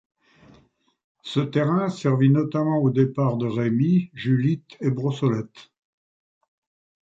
Ce terrain servit notamment au départ de Rémy, Julitte et Brossolette.